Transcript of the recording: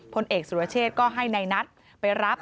พลเอกสุรเชษฐ์ก็ให้ในนัทไปรับ